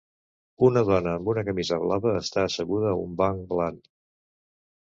Una dona amb una camisa blava està asseguda a un banc blanc.